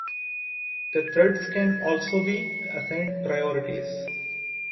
The threads can also be assigned priorities.